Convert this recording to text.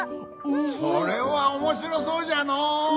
それはおもしろそうじゃのう！